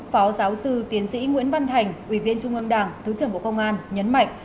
phó giáo sư tiến sĩ nguyễn văn thành ủy viên trung ương đảng thứ trưởng bộ công an nhấn mạnh